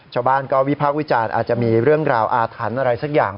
ชาวบ้านวิพาณทรมานอาจจะมีเรื่องราวอาฒันติดอะไรสักอย่าง